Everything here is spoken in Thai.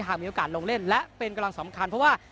มีโอกาสลงเล่นและเป็นกำลังสำคัญเพราะว่า